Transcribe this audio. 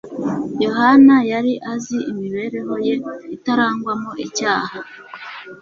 Yohana yari azi imibereho ye itarangwamo icyaha,